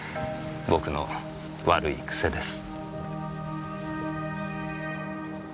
僕の悪い癖です。